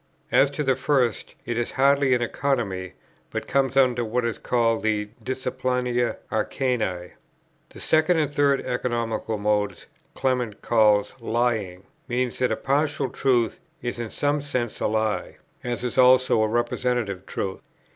As to the first, it is hardly an Economy, but comes under what is called the "Disciplina Arcani." The second and third economical modes Clement calls lying; meaning that a partial truth is in some sense a lie, as is also a representative truth.